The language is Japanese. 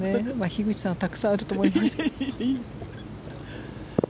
樋口さんはたくさんあると思いますが。